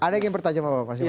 ada yang bertanya apa pak